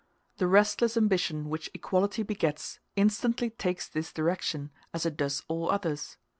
The restless ambition which equality begets instantly takes this direction as it does all others.